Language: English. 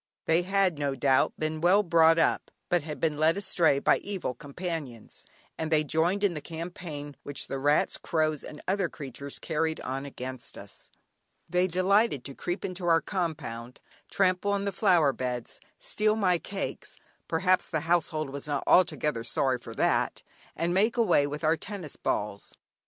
They had, no doubt, been well brought up, but had been led astray by evil companions, and they joined in the campaign which the rats, crows, and other creatures carried on against us. They delighted to creep into our compound, trample on the flower beds, steal my cakes (perhaps the household was not altogether sorry for that), and make away with our tennis balls.